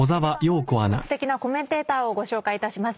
では本日のすてきなコメンテーターをご紹介いたします。